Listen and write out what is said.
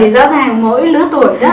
do rằng mỗi lứa tuổi